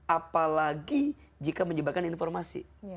apalagi jika menyebarkan informasi